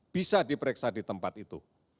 bisa diperiksa di tempat itu